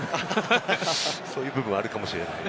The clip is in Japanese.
そういう部分はあるかもしれません。